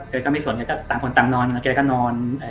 แกก็ไม่สนต่างคนตามนอนแกก็นอน